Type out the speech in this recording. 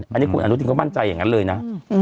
อันนี้คุณอนุทินเขามั่นใจอย่างนั้นเลยนะ